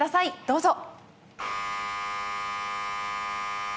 どうぞ。